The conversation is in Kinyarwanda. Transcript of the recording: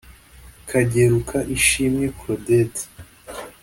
Kageruka Ishimwe Claudette